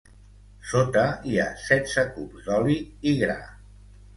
Sota hi ha setze cups d'oli i gra.